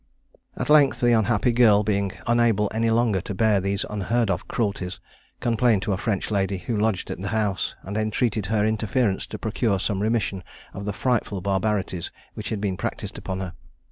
At length the unhappy girl, being unable any longer to bear these unheard of cruelties, complained to a French lady who lodged in the house, and entreated her interference to procure some remission of the frightful barbarities which had been practised upon her.